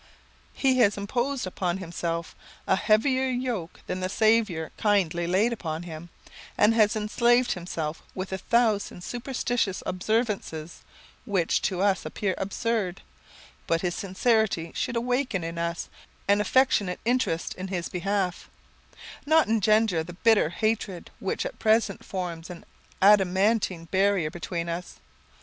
He has imposed upon himself a heavier yoke than the Saviour kindly laid upon him, and has enslaved himself with a thousand superstitious observances which to us appear absurd; but his sincerity should awaken in us an affectionate interest in his behalf, not engender the bitter hatred which at present forms an adamantine barrier between us.